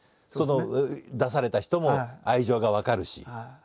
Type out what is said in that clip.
その出された人も愛情が分かるし。